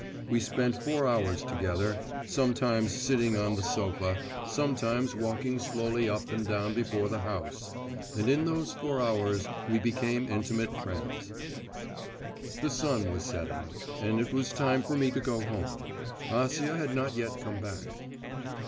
We spent four hours together, sometimes sitting on the sofa, sometimes walking slowly up and down before the house; and in those four hours we became intimate friends. The sun was setting, and it was time for me to go home. Acia had not yet come back.